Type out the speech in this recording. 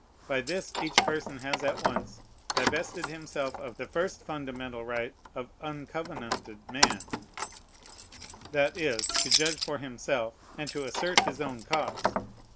By this each person has at once divested himself of the first fundamental right of uncovenanted man, that is, to judge for himself, and to assert his own cause.